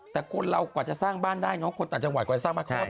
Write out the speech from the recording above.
แต่คนเรากว่าจะสร้างบ้านได้เนอะคนต่างจังหวัดกว่าจะสร้างมาก่อน